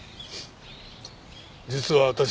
実は私。